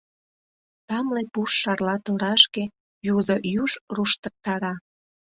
Тамле пуш шарла торашке, Юзо юж руштыктара.